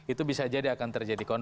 itu bisa jadi akan terjadi konflik